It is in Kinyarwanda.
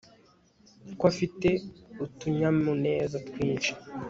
ko afite utunyamuneza twinshi